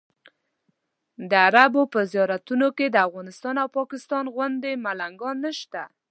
د عربو په زیارتونو کې د افغانستان او پاکستان غوندې ملنګان نشته.